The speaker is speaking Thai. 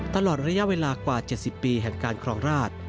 ตลอดระยะเวลากว่า๗๐ปีแห่งการครองราช